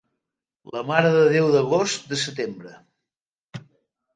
La Mare de Déu d'Agost, de Setembre.